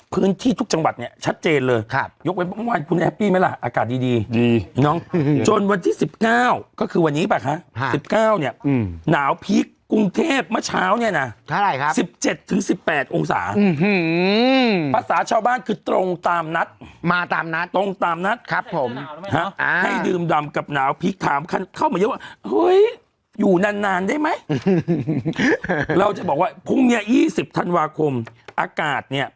พื้นที่ทุกจังหวัดเนี้ยชัดเจนเลยครับยกไว้บางวันคุณแอปปี้ไหมล่ะอากาศดีดีดีน้องจนวันที่สิบเก้าก็คือวันนี้ป่ะคะสิบเก้าเนี้ยอืมหนาวพีคกรุงเทพเมื่อเช้าเนี้ยน่ะเท่าไรครับสิบเจ็ดถึงสิบแปดองศาอือหือฮือฮือฮือฮือฮือฮือฮือฮือฮือฮือฮือฮือฮือ